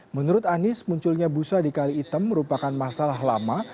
menurut anies munculnya busa di kali item merupakan masalah lama